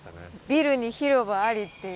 ビルに広場ありっていう。